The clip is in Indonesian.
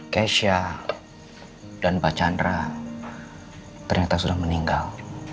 keisha dan pak chandra ternyata sudah meninggal